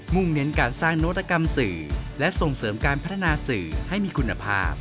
่งเน้นการสร้างนวัตกรรมสื่อและส่งเสริมการพัฒนาสื่อให้มีคุณภาพ